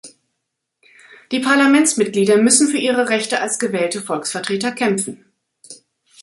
Die Parlamentsmitglieder müssen für ihre Rechte als gewählte Volksvertreter kämpfen.